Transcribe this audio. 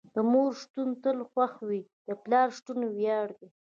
د مور شتون تل خوښې وي، د پلار شتون وياړ دي.